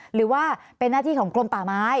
หรือว่าเป็นหน้าที่ของกรมป่าไม้